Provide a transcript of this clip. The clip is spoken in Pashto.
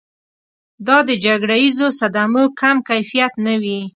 دا د جګړیزو صدمو کم کیفیت نه وي.